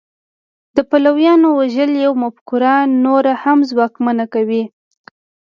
د پلویانو وژل یوه مفکوره نوره هم ځواکمنه کوي